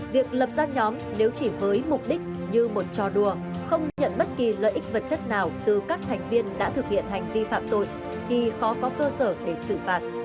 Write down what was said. việc lập ra nhóm nếu chỉ với mục đích như một trò đùa không nhận bất kỳ lợi ích vật chất nào từ các thành viên đã thực hiện hành vi phạm tội thì khó có cơ sở để xử phạt